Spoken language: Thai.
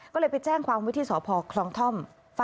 ก็เลยไปแจ้งความวิธีสพคลองท่อม